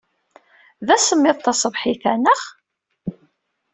D asemmiḍ taṣebḥit-a, naɣ?